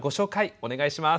お願いします。